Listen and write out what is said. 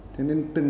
thế nên từng